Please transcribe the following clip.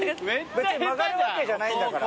別に曲がるわけじゃないんだから。